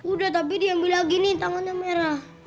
udah tapi diambil lagi nih tangannya merah